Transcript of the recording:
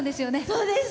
そうです。